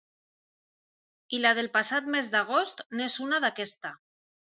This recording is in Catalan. I la del passat mes d’agost n’és una d’aquesta.